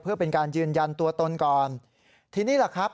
เพื่อเป็นการยืนยันตัวตนก่อนทีนี้แหละครับ